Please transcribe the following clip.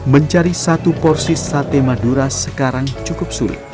mencari satu porsi sate madura sekarang cukup sulit